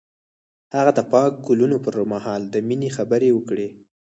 هغه د پاک ګلونه پر مهال د مینې خبرې وکړې.